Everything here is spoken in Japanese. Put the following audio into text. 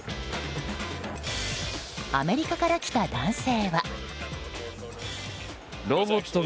アメリカから来た男性は。